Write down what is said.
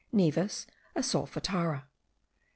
Nevis, a solfatara. St.